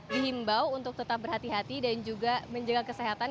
dihimbau untuk tetap berhati hati dan juga menjaga kesehatan